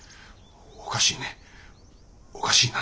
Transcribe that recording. おかしいねおかしいな。